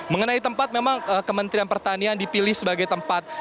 mengenai tempat memang kementerian pertanian dipilih sebagai tempat